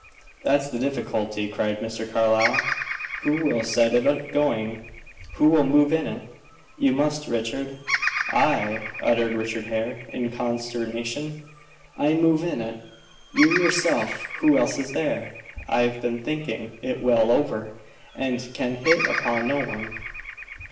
"That's the difficulty," said Mr. Carlyle. "Who will set it agoing. Who will move in it?" "You must, Richard." "I!" uttered Richard Hare, in consternation. "I move in it!" "You, yourself. Who else is there? I have been thinking it well over, and can hit upon no one."